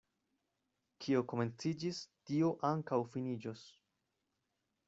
Kio komenciĝis, tio ankaŭ finiĝos.